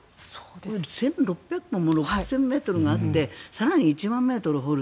１６００本も６０００ｍがあって更に１万ｍ掘る。